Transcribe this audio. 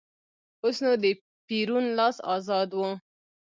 اوس نو د پېرون لاس ازاد و.